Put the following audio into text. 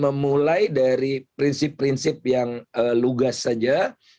memulai dari prinsip prinsip yang lugas saja